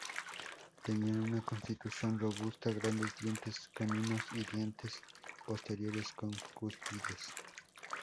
Tenían una constitución robusta, grandes dientes caninos y dientes posteriores con cúspides.